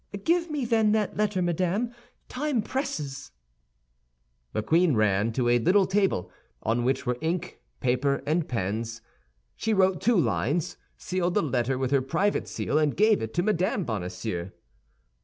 "Give me then, that letter, madame; time presses." The queen ran to a little table, on which were ink, paper, and pens. She wrote two lines, sealed the letter with her private seal, and gave it to Mme. Bonacieux.